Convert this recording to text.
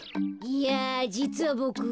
いやじつはボク